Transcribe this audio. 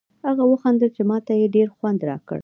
هغه و خندل چې ما ته یې ډېر خوند راکړ.